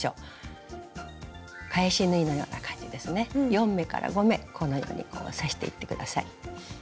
４目から５目このようにこう刺していって下さい。